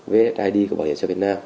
vfid của bảo hiểm dội việt nam